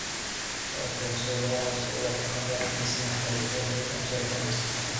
Soihtu osui luolan suulle, joka vieläkin sihahteli puuhirviön sylkemästä haposta.